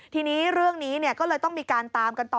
ทีนี้เรื่องนี้ก็เลยต้องมีการตามกันต่อ